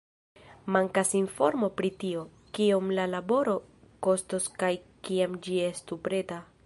Mankas informo pri tio, kiom la laboro kostos kaj kiam ĝi estu preta.